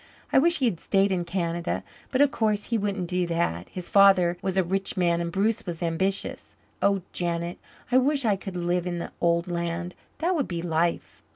I wish he had stayed in Canada. But of course he wouldn't do that. His father was a rich man and Bruce was ambitious. Oh, Janet, I wish I could live in the old land. That would be life."